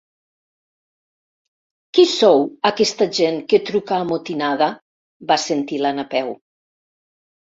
Qui sou, aquesta gent, que truca amotinada? —van sentir la Napeu.